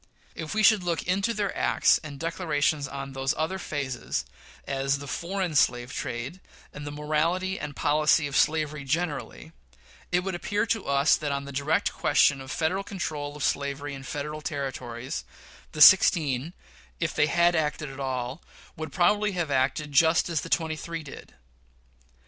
If we should look into their acts and declarations on those other phases, as the foreign slave trade, and the morality and policy of slavery generally, it would appear to us that on the direct question of Federal control of slavery in Federal Territories, the sixteen, if they had acted at all, would probably have acted just as the twenty three did.